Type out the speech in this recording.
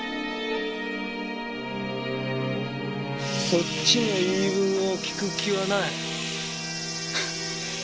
そっちの言い分を聞く気はない。